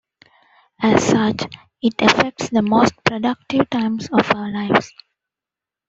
As such, it affects the most productive times of our lives.